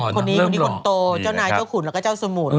คนนี้คนนี้คนโตเจ้านายเจ้าขุนแล้วก็เจ้าสมุทร